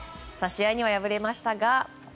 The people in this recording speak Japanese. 試合には敗れましたが。